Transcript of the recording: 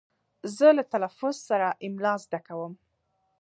زه له تلفظ سره املا زده کوم.